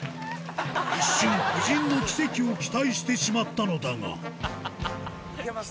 一瞬夫人の奇跡を期待してしまったのだがいけます？